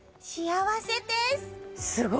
幸せです！